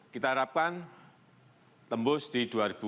kita harapkan tembus di dua ribu sembilan belas